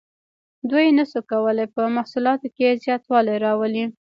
دوی نشو کولی په محصولاتو کې زیاتوالی راولي.